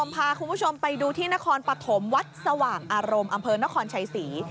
พาคุณผู้ชมไปดูที่นครปฐมวัดสว่างอารมณ์อำเภอนครชัยศรี